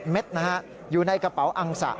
เม็ดนะฮะอยู่ในกระเป๋าอังสะ